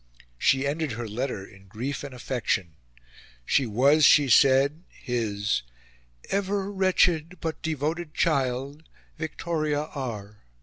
She ended her letter in grief and affection. She was, she said, his "ever wretched but devoted child, Victoria R."